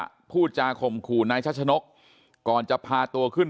ที่จะพูดจาภงหูนายชัดฉนกก่อนจะปาตัวขึ้น